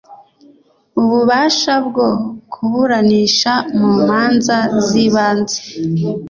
ububasha bwo kuburanisha mu manza zibanze